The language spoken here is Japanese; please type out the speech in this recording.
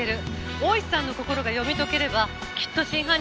大石さんの心が読み解ければきっと真犯人の正体も見えてくる。